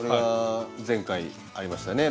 前回ありましたね